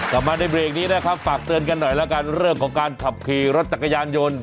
กลับมาในเบรกนี้นะครับฝากเตือนกันหน่อยแล้วกันเรื่องของการขับขี่รถจักรยานยนต์